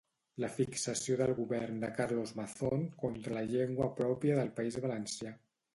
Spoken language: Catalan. La fixació del govern de Carlos Mazón contra la llengua pròpia del País Valencià